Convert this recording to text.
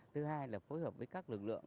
thứ hai là phối hợp với các lực lượng